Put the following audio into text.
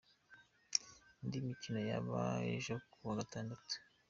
Indi mikino izaba ejo ku wa Gatandatu:.